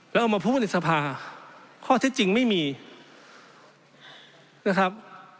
แล้วเอามาพูดในสภาข้อเท็จจริงไม่มีนะครับ